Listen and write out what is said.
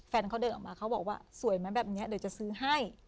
แฟนเขาเดินออกมาเขาบอกว่าสวยไหมแบบนี้เดี๋ยวจะซื้อให้